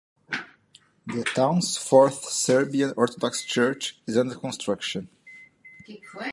The town's fourth Serbian orthodox church is under construction.